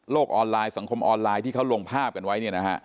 โลกออนไลน์สังคมออนไลน์ที่เขาลงภาพกันไว้